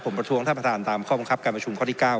ผมประท้วงท่านประธานตามข้อบังคับการประชุมข้อที่๙